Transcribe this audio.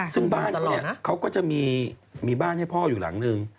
ซึ่งบ้านเขาก็จะมีบ้านให้พ่ออยู่หลังนึง